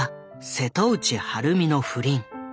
瀬戸内晴美の不倫。